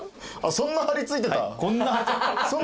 そんな張り付いてたんだ。